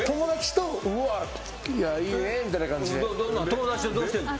友達とどうしてんの？